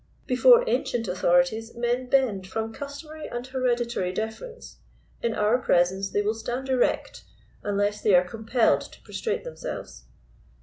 Before ancient authorities men bend from customary and hereditary deference; in our presence they will stand erect, unless they are compelled to prostrate themselves.